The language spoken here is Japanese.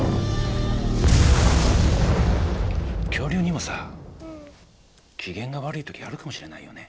恐竜にもさ機嫌が悪い時あるかもしれないよね。